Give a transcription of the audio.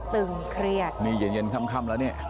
ตึงเครียดนี่เย็นเย็นค่ำแล้วเนี่ย